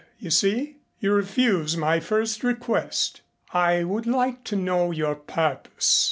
You see? You refuse my first request." "I would like to know your purpose."